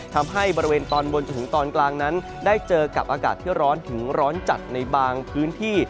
ทำให้บริเวณตอนบนจนถึงตอนกลางนั้นได้เจอกับอากาศที่ร้อนถึงร้อนจัดในบางพื้นที่